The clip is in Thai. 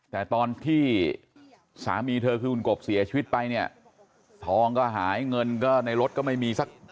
แต่ตอนที่สามีเธอคือคุณกบเสียชีวิตไปเนี่ยทองก็หายเงินก็ในรถก็ไม่มีสัก